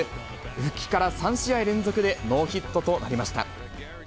復帰から３試合連続でノーヒットとなりました。